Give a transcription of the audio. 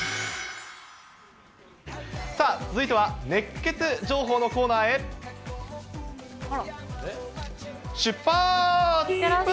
さあ、続いては熱ケツ情報のコーナーへ、出発！